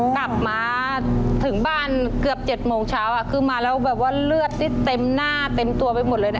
กลับมาถึงบ้านเกือบ๗โมงเช้าคือมาแล้วแบบว่าเลือดนี่เต็มหน้าเต็มตัวไปหมดเลยนะ